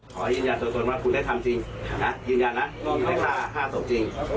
ขอยืนยันตัวว่าคุณได้ทำจริงยืนยันนะโลกมีเทคตรา๕ศพจริง